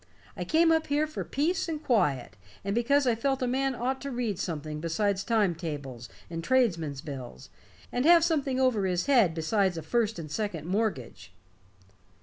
I came up here for peace and quiet, and because I felt a man ought to read something besides time tables and tradesmen's bills, and have something over his head besides a first and second mortgage."